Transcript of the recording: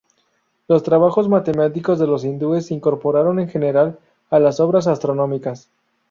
Los trabajos matemáticos de los hindúes se incorporaron en general a las obras astronómicas.